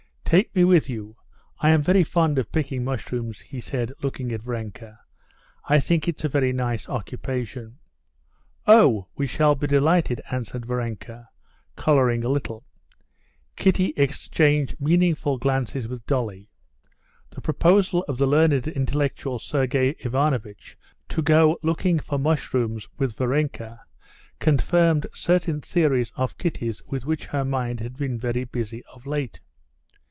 "Take me with you. I am very fond of picking mushrooms," he said, looking at Varenka; "I think it's a very nice occupation." "Oh, we shall be delighted," answered Varenka, coloring a little. Kitty exchanged meaningful glances with Dolly. The proposal of the learned and intellectual Sergey Ivanovitch to go looking for mushrooms with Varenka confirmed certain theories of Kitty's with which her mind had been very busy of late.